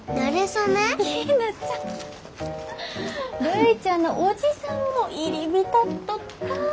るいちゃんの叔父さんも入り浸っとった。